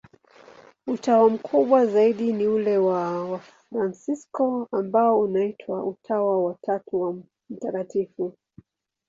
Utawa mkubwa zaidi ni ule wa Wafransisko, ambao unaitwa Utawa wa Tatu wa Mt.